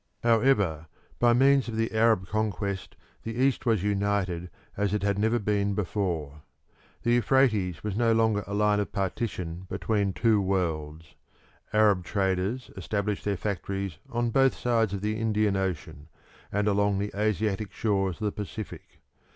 However, by means of the Arab conquest the East was united as it had never been before. The Euphrates was no longer a line of partition between two worlds. Arab traders established their factories on both sides of the Indian Ocean and along the Asiatic shores of the Pacific.